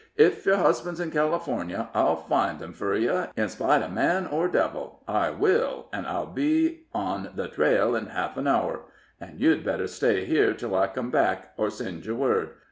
Ef yer husband's in California, I'll find him fur yer, in spite of man or devil I will, an' I'll be on the trail in half an hour. An' you'd better stay here till I come back, or send yer word.